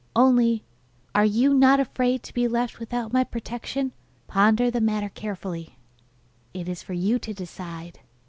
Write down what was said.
Only, are you not afraid to be left without my protection? Ponder the matter carefully; it is for you to decide.